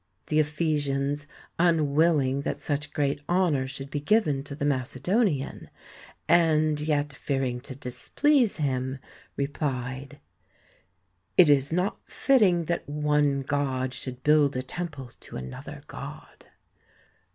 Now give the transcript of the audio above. The Ephesians, unwilling that such great honour should be given to the Macedonian, and yet fear ing to displease him, replied: 'It is not fitting that one god should build a temple to another god.